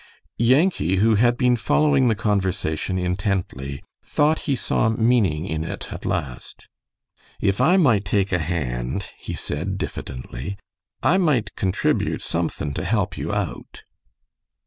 Yankee, who had been following the conversation intently, thought he saw meaning in it at last. "If I might take a hand," he said, diffidently, "I might contribute somethin' to help you out."